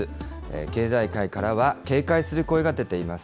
経済界からは警戒する声が出ています。